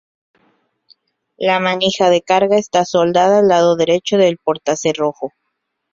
La manija de carga está soldada al lado derecho del portacerrojo.